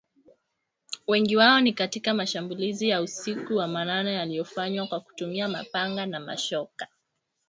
Wengi wao ni katika mashambulizi ya usiku wa manane yaliyofanywa kwa kutumia mapanga na mashoka